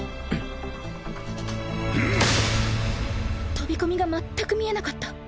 飛び込みがまったく見えなかった